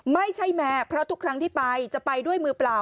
ไม่ใช่แมวเพราะทุกครั้งที่ไปจะไปด้วยมือเปล่า